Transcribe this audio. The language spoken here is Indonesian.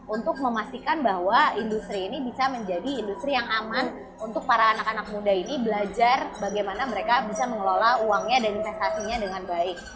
untuk memastikan bahwa industri ini bisa menjadi industri yang aman untuk para anak anak muda ini belajar bagaimana mereka bisa mengelola uangnya dan investasinya dengan baik